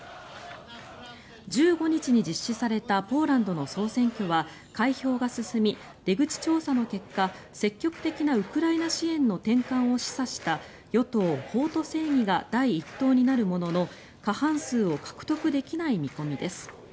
１５日に実施されたポーランドの総選挙は開票が進み出口調査の結果積極的なウクライナ支援の転換を示唆した与党・法と正義が第１党になるものの過半数を獲得できない見込みです。